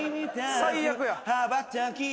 最悪や。